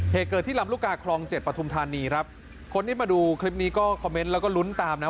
เหตุเกิดที่ลำลูกกาคลองเจ็ดปฐุมธานีครับคนที่มาดูคลิปนี้ก็คอมเมนต์แล้วก็ลุ้นตามนะ